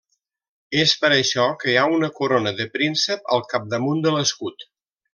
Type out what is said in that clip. És per això que hi ha una corona de príncep al capdamunt de l'escut.